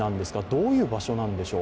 どういう場所なんでしょう？